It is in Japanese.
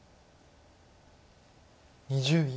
２０秒。